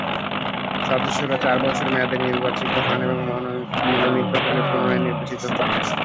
সদস্যরা চার বছরের মেয়াদে নির্বাচিত হন এবং মনোনীত হলে পুনরায় নির্বাচিত হতে পারেন।